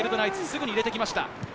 すぐに入れてきました。